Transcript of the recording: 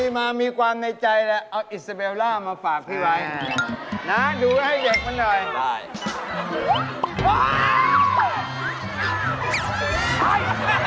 มามีความในใจแล้วเอาอิสเบลล่ามาฝากพี่ไว้ดูให้เด็กมันหน่อย